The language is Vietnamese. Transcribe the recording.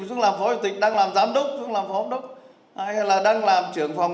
xuống làm phó chủ tịch đang làm giám đốc xuống làm phó hợp đốc hay là đang làm trưởng phòng